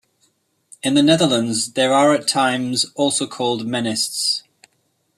In the Netherlands they are at times also called Mennists.